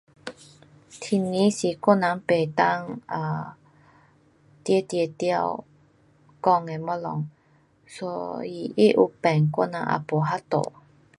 天气是我人不能 um 直直得讲的东西。所以它有变，我人也没办法。